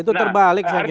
itu terbalik saya kira itu